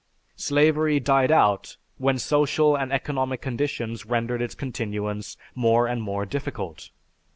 Slavery died out when social and economic conditions rendered its continuance more and more difficult.